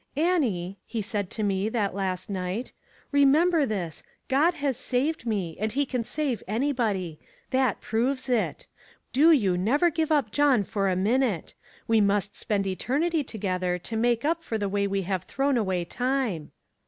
"* Annie,' he said to me, that last night, * remember this: God has saved me, and he can save anybody; that proves it. Do you never give up John for a minute. We must spend eternity together to make up for the way we have thrown away time.'